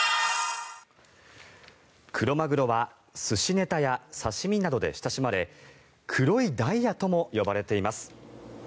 クロマグロは寿司ネタや刺し身などで親しまれ黒いダイヤとも呼ばれています。